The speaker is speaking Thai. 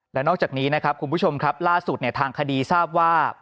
และนอกจากนี้นะครับคุณผู้ชมครับล่าสุดทางคดีทราบว่า